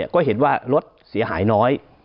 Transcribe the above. ก็เห็นว่ารถเสียหายน้อย